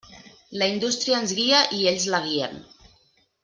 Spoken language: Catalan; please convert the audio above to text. La indústria ens guia, i ells la guien.